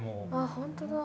本当だ。